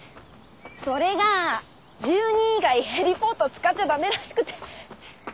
それが住人以外ヘリポート使っちゃダメらしくて。